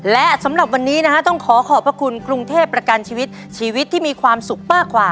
และสำหรับวันนี้ต้องขอขอบคุณกรุงเทพประกันชีวิตชีวิตที่มีความซุปเปอร์ควา